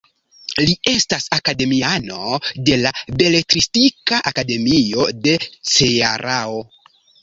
Li estas akademiano de la Beletristika Akademio de Cearao.